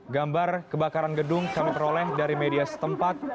gambar kebakaran gedung kami peroleh dari media setempat